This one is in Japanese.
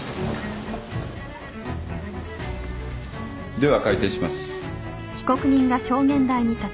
では開廷します。